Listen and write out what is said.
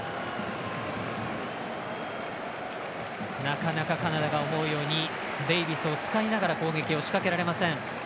なかなかカナダが思うようにデイビスを使いながら攻撃を仕掛けられません。